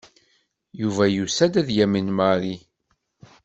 Yuba yusa-d ad yamen Mary.